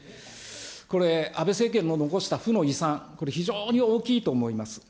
これ、安倍政権の残した負の遺産、これ、非常に大きいと思います。